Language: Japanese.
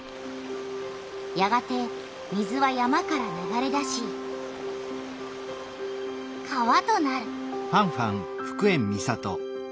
やがて水は山から流れ出し川となる。